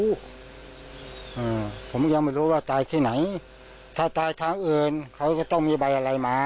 อืมผมยังไม่รู้ว่าตายที่ไหนถ้าตายทางอื่นเขาจะต้องมีใบอะไรมา